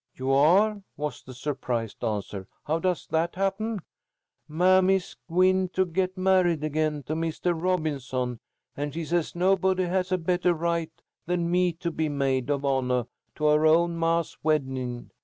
"You are!" was the surprised answer. "How does that happen?" "Mammy's gwine to git married agin, to Mistah Robinson, and she says nobody has a bettah right than me to be maid of honah to her own ma's weddin'.